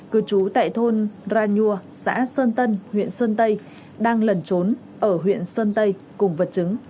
cư trú tại thôn rà nhuà xã sơn tân huyện sơn tây đang lần trốn ở huyện sơn tây cùng vật chứng